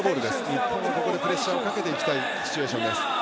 日本は、ここでプレッシャーをかけていきたいシチュエーションです。